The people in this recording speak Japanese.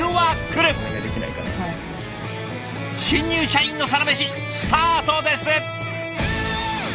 新入社員のサラメシスタートです！